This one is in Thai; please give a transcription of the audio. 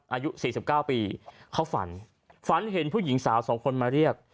อายุ๔๙ปีเขาฝันฝันเห็นผู้หญิงสาวสองคนมาเรียก